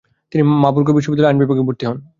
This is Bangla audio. তিনি মার্বুর্গ বিশ্ববিদ্যালয়ে আইন বিভাগে ভর্তি হন।